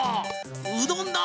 うどんだ！